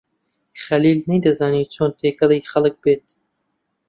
خەلیل نەیدەزانی چۆن تێکەڵی خەڵک بێت.